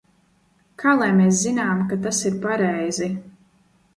Kā lai mēs zinām, ka tas ir pareizi?